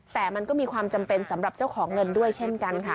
แต่มันก็มีความจำเป็นสำหรับเจ้าของเงินด้วยเช่นกันค่ะ